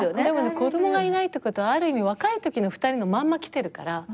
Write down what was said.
でもね子供がいないってことはある意味若いときの２人のまんまきてるから。